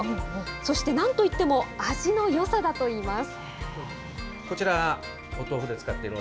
そしてなんといっても味のよさだといいます。